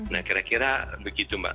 nah kira kira begitu mbak